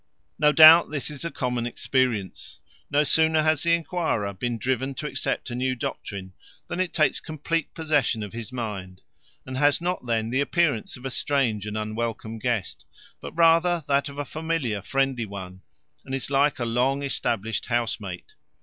No doubt this is a common experience: no sooner has the inquirer been driven to accept a new doctrine than it takes complete possession of his mind, and has not then the appearance of a strange and unwelcome guest, but rather that of a familiar friendly one, and is like a long established housemate.